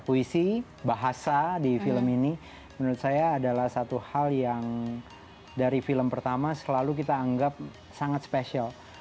puisi bahasa di film ini menurut saya adalah satu hal yang dari film pertama selalu kita anggap sangat spesial